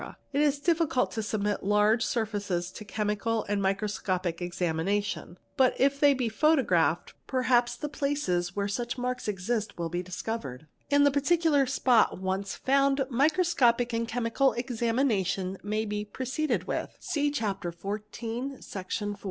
It is difficult to submit large surfaces to chemical and microscopic examination, but if they be photographed, perhaps the places where such marks exist will be discovered ; and the particular spot once found microscopic and chemical examination may be proceeded with (see Chapter XIV, Section iv).